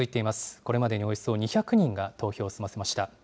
これまでにおよそ２００人が投票を済ませました。